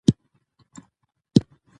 ملالۍ په میوند کې وه.